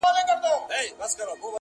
په نخرو په مکیزو سو مخ او شاته،